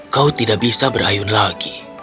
kau tidak bisa berayun lagi